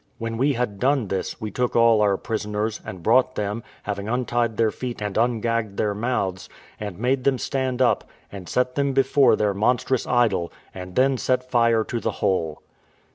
When we had done this, we took all our prisoners, and brought them, having untied their feet and ungagged their mouths, and made them stand up, and set them before their monstrous idol, and then set fire to the whole.